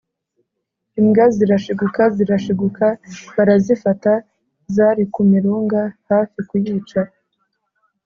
imbwa zirashiguka, zirashiguka barazifata zari ku mirunga hafi kuyica.